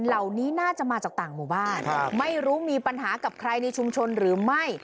เหล่านี้น่าจะมาจากต่างหมู่บ้านไม่รู้มีปัญหากับใครในชุมชนหรือไม่